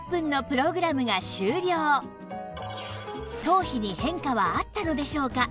頭皮に変化はあったのでしょうか？